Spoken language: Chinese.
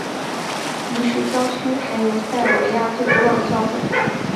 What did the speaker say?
尼什郊区还有塞尔维亚最古老的教会。